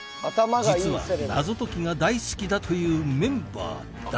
「実は謎解きが大好きだというメンバーＷ」